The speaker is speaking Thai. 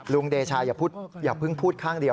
เดชาอย่าเพิ่งพูดข้างเดียว